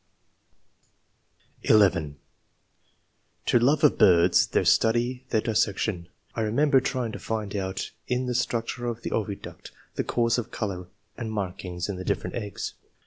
{d,f) (11) To love of birds, their study, their dissection. I remember trying to find out in the structure of the oviduct the cause of colour and markings in the different eggs.